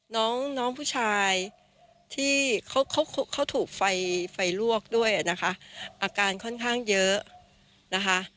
น้องน้องผู้ชายที่เขาเขาถูกไฟไฟลวกด้วยนะคะอาการค่อนข้างเยอะนะคะ